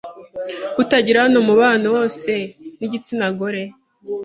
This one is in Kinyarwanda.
ko utagirana umubano wose n’igitsinagore